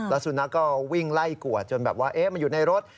แล้วสุนัขก็วิ่งไล่กวดจนแบบว่ามันอยู่ในรถ